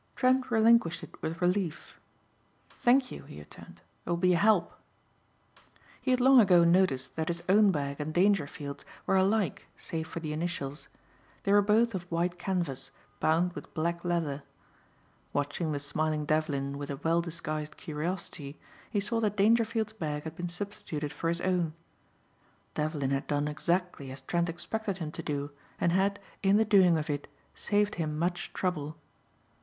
Trent relinquished it with relief. "Thank you," he returned, "it will be a help." He had long ago noticed that his own bag and Dangerfield's were alike save for the initials. They were both of white canvas, bound with black leather. Watching the smiling Devlin with a well disguised curiosity, he saw that Dangerfield's bag had been substituted for his own. Devlin had done exactly as Trent expected him to do and had, in the doing of it, saved him much trouble.